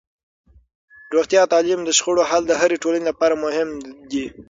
روغتیا، تعلیم او د شخړو حل د هرې ټولنې لپاره مهم دي.